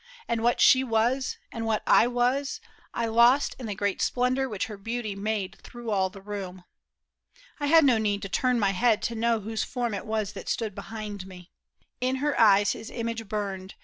And what she was and what I was, I lost In the great splendor which her beauty made Through all the room. I had no need to turn My head to know whose form it was that stood Behind me. In her eyes his image burned.